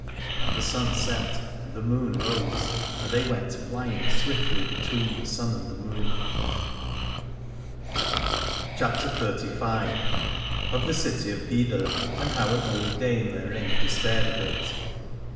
And the sun set, and the moon rose, and they went flying swiftly between the sun and the moon. 217 CHAPTER XXXV. OF THE CITY OF DCEDALA, AND HOW AN OLD DAME THEREIN DESPAIRED OF IT.